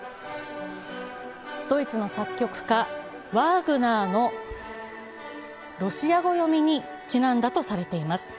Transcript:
ドイツの作曲家・ワーグナーのロシア語読みにちなんだとされています。